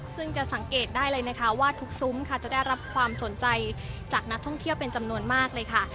ซึ่งจะสังเกตได้เลยนะคะว่าทุกซุ้มค่ะจะได้รับความสนใจจากนักท่องเที่ยวเป็นจำนวนมากเลยค่ะ